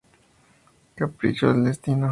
Caprichos del destino.